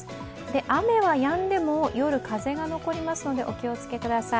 雨はやんでも夜、風が残りますのでお気を付けください。